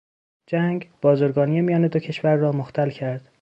جنگ، بازرگانی میان دو کشور را مختل کرد.